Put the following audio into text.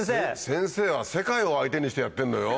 先生は世界を相手にしてやってんのよ。